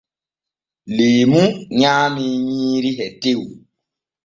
Leemu nyaamii nyiiri e tew.